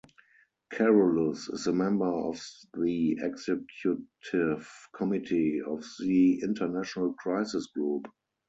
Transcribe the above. Carolus is a member of the Executive Committee of the International Crisis Group.